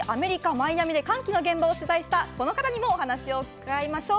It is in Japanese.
マイアミで歓喜の現場を取材したこの方にもお話を伺いましょう。